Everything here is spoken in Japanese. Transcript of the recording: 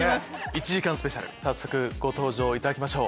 １時間スペシャル早速ご登場いただきましょう。